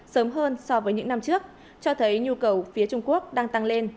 sớm hơn so với những năm trước cho thấy nhu cầu phía trung quốc đang tăng lên